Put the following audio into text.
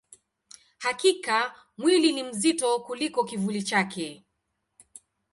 Hakika, mwili ni mzito kuliko kivuli chake.